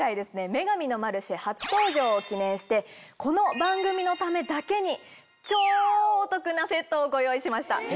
『女神のマルシェ』初登場を記念してこの番組のためだけに超お得なセットをご用意しました。